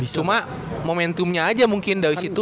cuma momentumnya aja mungkin dari situ